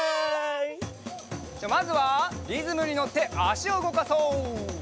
じゃあまずはリズムにのってあしをうごかそう。